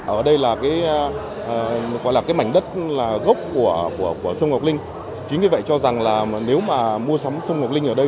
ở đây là cái mảnh đất gốc của sông ngọc linh chính vì vậy cho rằng là nếu mà mua sắm sông ngọc linh ở đây